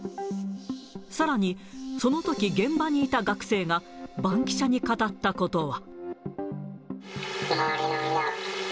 さらに、そのとき現場にいた学生が、バンキシャに語ったことは。